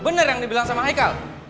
benar yang dibilang sama haikal